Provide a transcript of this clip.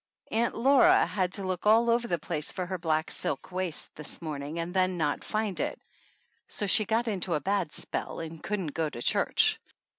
Aunt Laura had to look all over the place for her black silk waist this morning and then not find it, so she got into a bad spell and couldn't go to church.